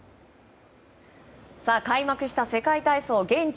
開幕した世界体操現地